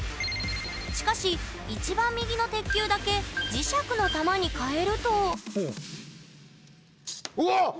しかし一番右の鉄球だけ磁石の玉にかえるとうおっ！